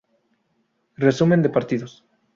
Resumen de partidos